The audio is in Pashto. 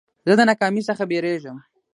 زه د ناکامۍ څخه بېرېږم.